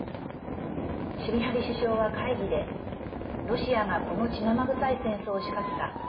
シュミハリ首相は会議でロシアが、この血なまぐさい戦争を仕掛けた。